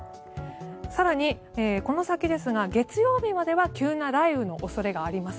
更にこの先ですが月曜日までは急な雷雨の恐れがあります。